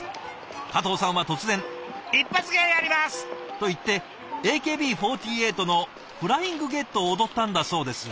加藤さんは突然「一発芸やります！」と言ってＡＫＢ４８の「フライングゲット」を踊ったんだそうです。